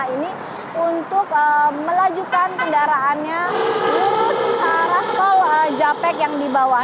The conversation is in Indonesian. ini untuk melajukan kendaraannya turun ke arah tol japek yang dibawa